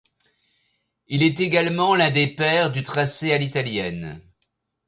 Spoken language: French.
Il est également l'un des pères du tracé à l'italienne.